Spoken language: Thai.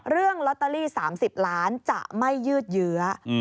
เรื่องลอตเตอรี่๓๐ล้านจะไม่ยืดเยื้อ